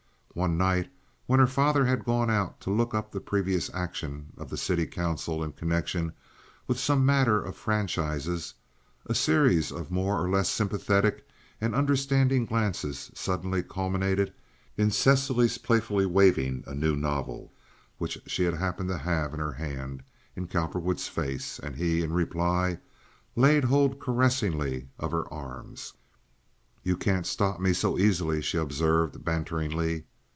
One night, when her father had gone out to look up the previous action of the city council in connection with some matter of franchises, a series of more or less sympathetic and understanding glances suddenly culminated in Cecily's playfully waving a new novel, which she happened to have in her hand, in Cowperwood's face; and he, in reply, laid hold caressingly of her arms. "You can't stop me so easily," she observed, banteringly.